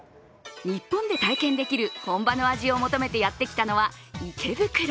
日本で体験できる本場の味を求めてやってきたのは、池袋。